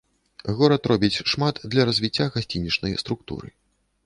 Горад робіць шмат для развіцця гасцінічнай структуры.